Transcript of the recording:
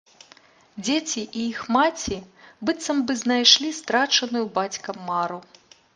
Дзеці і іх маці быццам бы знайшлі страчаную бацькам мару.